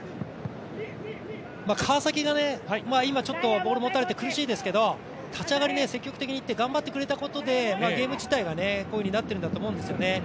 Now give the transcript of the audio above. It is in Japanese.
川崎がちょっとボール持たれて苦しいですけど、立ち上がり、積極的にいって頑張ってくれたことでゲーム自体がこういうふうになっているんだと思うんです。